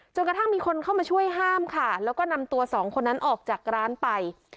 กระทั่งมีคนเข้ามาช่วยห้ามค่ะแล้วก็นำตัวสองคนนั้นออกจากร้านไป